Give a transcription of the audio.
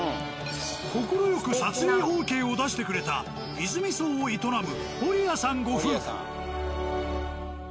快く撮影ＯＫを出してくれたいづみ荘を営む。